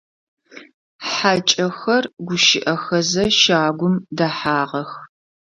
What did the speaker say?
Хьакӏэхэр гущыӏэхэзэ щагум дэхьагъэх.